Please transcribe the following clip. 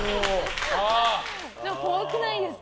怖くないですか？